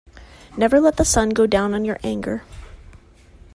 Never let the sun go down on your anger.